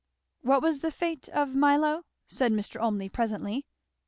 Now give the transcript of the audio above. '" "What was the fate of Milo?" said Mr. Olmney presently.